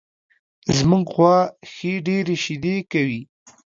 زمونږ غوا ښې ډېرې شیدې کوي